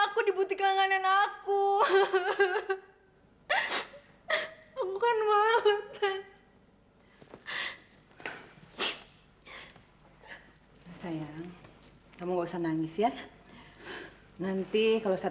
aku akan buktiin aku gak akan bisa